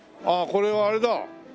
ああこれはあれだ！